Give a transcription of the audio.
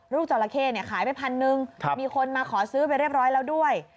จราเข้เนี่ยขายไปพันหนึ่งมีคนมาขอซื้อไปเรียบร้อยแล้วด้วย